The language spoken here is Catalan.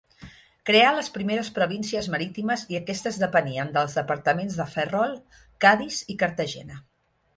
Creà les primeres províncies marítimes i aquestes depenien dels departaments de Ferrol, Cadis i Cartagena.